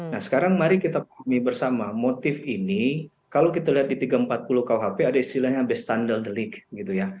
nah sekarang mari kita pahami bersama motif ini kalau kita lihat di tiga ratus empat puluh kuhp ada istilahnya bestandal delik gitu ya